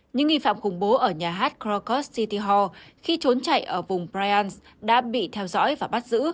những nghi phạm khủng bố ở nhà hát krakow city hall khi trốn chạy ở vùng bryansk đã bị theo dõi và bắt giữ